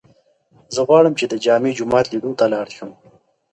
زه غواړم چې د جامع جومات لیدو ته لاړ شم.